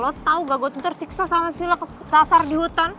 lo tau gak gue tersiksa sama sila ke sasar di hutan